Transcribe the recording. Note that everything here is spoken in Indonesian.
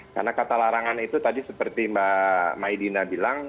karena kata larangan itu tadi seperti mbak maidina bilang